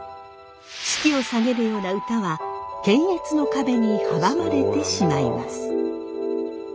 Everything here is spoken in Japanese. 士気を下げるような歌は検閲の壁に阻まれてしまいます。